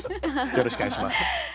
よろしくお願いします。